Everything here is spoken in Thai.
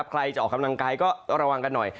ใครจะออกกำลังกายก็ระวังกันหน่อย